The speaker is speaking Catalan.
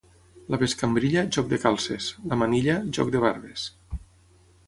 La bescambrilla, joc de calces; la manilla, joc de barbes.